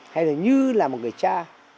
hay là như là một người cha